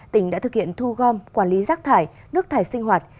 tỉnh đã thực hiện thu gom quản lý rác thải nước thải sinh hoạt